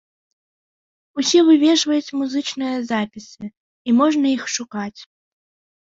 Усе вывешваюць музычныя запісы, і можна іх шукаць.